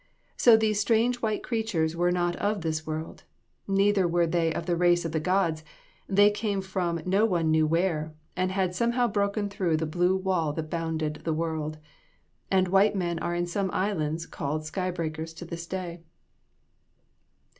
So these strange white creatures were not of this world; neither were they of the race of the gods; they came from no one knew where, and had somehow broken through the blue wall that bounded the world. And white men are in some islands called "sky breakers" to this day.